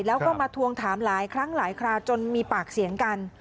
แล้วก็มาทวงถามหลายครั้งหลายคราวจนมีปากเสียงกัน